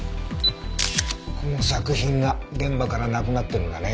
この作品が現場からなくなってるんだね。